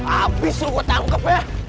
abis lu buat tangkap ya